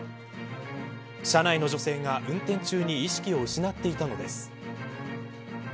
車内の女性が運転中に意識を失っていたのです。